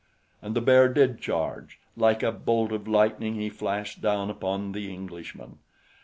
And the bear did charge. Like a bolt of lightning he flashed down upon the Englishman.